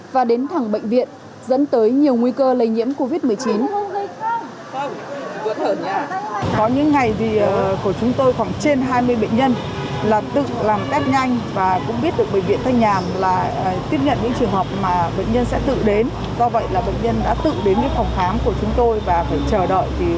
và đến thẳng bệnh viện dẫn tới nhiều nguy cơ lây nhiễm covid một mươi chín